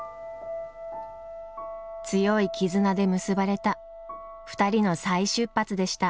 強い絆で結ばれた２人の再出発でした。